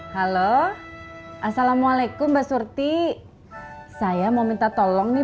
halo allahualaikum mbak sureti saya mau minta tolong nih